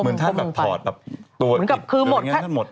เหมือนท่านแบบถอดตัวอีกหรืออย่างนี้ท่านหมด